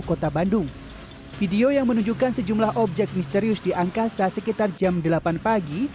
kota bandung video yang menunjukkan sejumlah objek misterius di angkasa sekitar jam delapan pagi